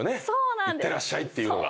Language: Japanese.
いってらっしゃいって言うのが。